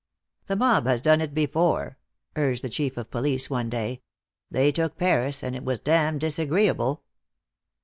"The mob has done it before," urged the Chief of Police one day. "They took Paris, and it was damned disagreeable."